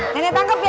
nenek tangkep ya